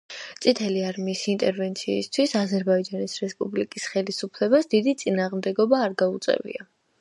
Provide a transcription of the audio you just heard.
წითელი არმიის ინტერვენციისთვის აზერბაიჯანის რესპუბლიკის ხელისუფლებას დიდი წინააღმდეგობა არ გაუწევია.